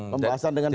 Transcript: pembahasan dengan bpn